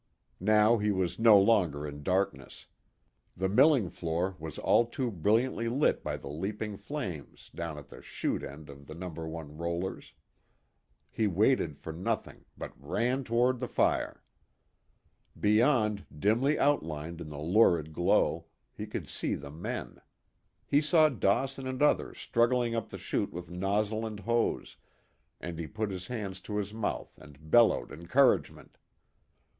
Now he was no longer in darkness. The milling floor was all too brilliantly lit by the leaping flames down at the "shoot" end of the No. 1 rollers. He waited for nothing, but ran toward the fire. Beyond, dimly outlined in the lurid glow, he could see the men. He saw Dawson and others struggling up the shoot with nozzle and hose, and he put his hands to his mouth and bellowed encouragement.